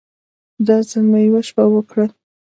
دا ځل مې يوه شپه وکړه.